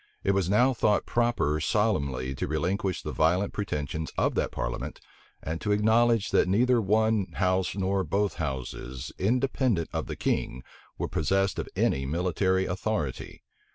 It was now thought proper solemnly to relinquish the violent pretensions of that parliament, and to acknowledge that neither one house nor both houses, independent of the king, were possessed of any military authority.